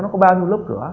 nó có bao nhiêu lớp cửa